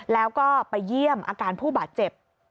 แล้วก็ไปเยี่ยมอาการผู้บาดเจ็บ